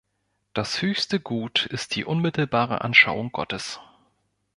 Das höchste Gut ist die unmittelbare Anschauung Gottes.